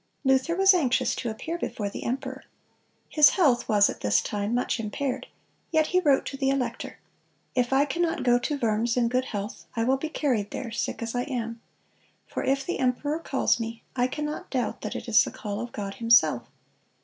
Luther was anxious to appear before the emperor. His health was at this time much impaired; yet he wrote to the elector: "If I cannot go to Worms in good health, I will be carried there, sick as I am. For if the emperor calls me, I cannot doubt that it is the call of God Himself.